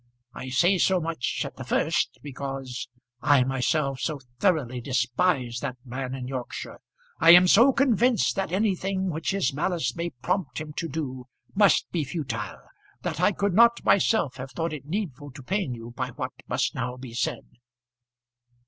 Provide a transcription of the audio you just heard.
I say so much at the first, because I myself so thoroughly despise that man in Yorkshire, I am so convinced that anything which his malice may prompt him to do must be futile, that I could not myself have thought it needful to pain you by what must now be said."